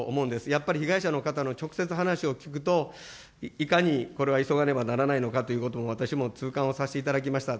やっぱり被害者の方の直接話を聞くと、いかにこれは急がねばならないのかということを、私も痛感をさせていただきました。